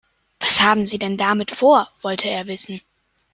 Was haben Sie denn damit vor?, wollte er wissen.